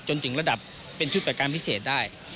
จนถึงระดับเป็นชุดประการพิเศษได้